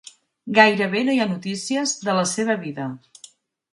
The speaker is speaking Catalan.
Gairebé no hi ha notícies de la seva vida.